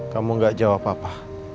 kamu gak jawab apa